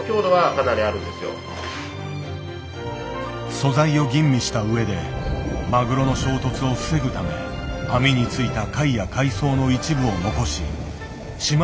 素材を吟味した上でマグロの衝突を防ぐため網に付いた貝や海藻の一部を残ししま